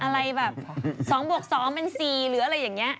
ว่า๒บัก๒มัน๓หรืออะไรเงี้ย